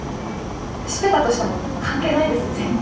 知ってたとしても関係ないです全然。